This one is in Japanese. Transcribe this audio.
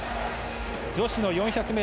女子の４００ｍ